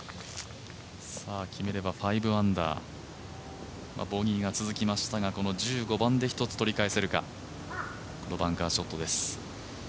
決めれば５アンダー、ボギーが続きましたが、この１５番でひとつ取り返せるかこのバンカーショットです。